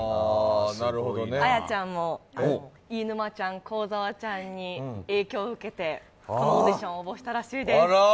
彩ちゃんとも飯沼ちゃん、幸澤ちゃんに影響を受けてオーディション、応募したらしいです。